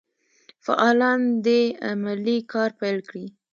فعالان دي عملي کار پیل کړي.